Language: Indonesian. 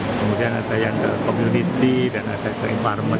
kemudian ada yang ke community dan ada ke environment